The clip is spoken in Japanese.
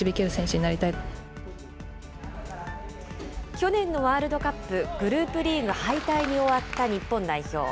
去年のワールドカップ、グループリーグ敗退に終わった日本代表。